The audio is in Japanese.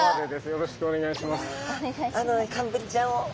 よろしくお願いします。